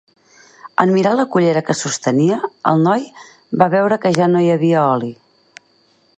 En mirar la cullera que sostenia, el noi va veure que ja no hi havia oli.